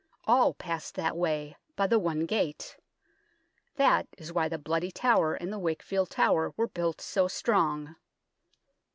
All passed that way, by the one gate. That is why the Bloody Tower and the Wakefield Tower were built so strong.